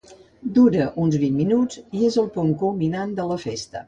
Dura uns vint minuts, i és el punt culminant de la festa.